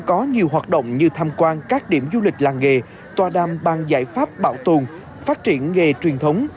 còn có nhiều hoạt động như tham quan các điểm du lịch làng nghề toà đam ban giải pháp bảo tồn phát triển nghề truyền thống